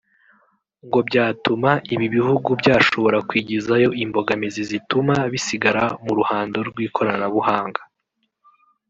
ngo byatuma ibi bihugu byashobora kwigizayo imbogamizi zituma bisigara mu ruhando rw’ikoranabuhanga